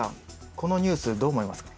このニュースどう思いますか？